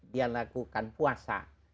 dia lakukan puasa